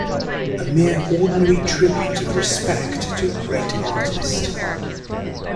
A mere ordinary tribute of respect to a great artist.